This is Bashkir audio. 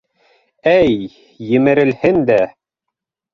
Эй, емерелһен дә!